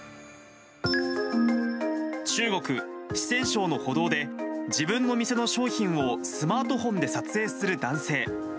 中国・四川省の歩道で、自分の店の商品をスマートフォンで撮影する男性。